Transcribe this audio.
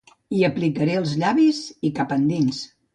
Hi aplicaré els llavis i cap endins.